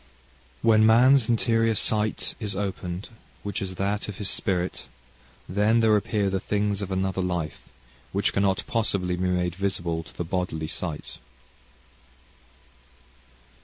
"When man's interior sight is opened, which is that of his spirit, then there appear the things of another life, which cannot possibly be made visible to the bodily sight."...